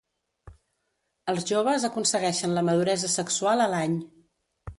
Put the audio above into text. Els joves aconsegueixen la maduresa sexual a l'any.